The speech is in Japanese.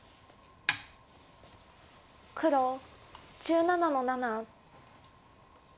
黒１７の七。